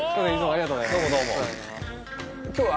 ありがとうございます。